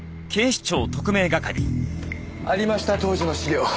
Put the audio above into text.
ありました当時の資料。